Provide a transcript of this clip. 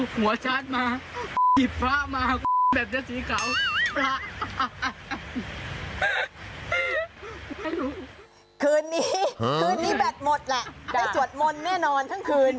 คืนนี้คืนนี้แบตหมดแหละได้สวดมนต์แน่นอนทั้งคืน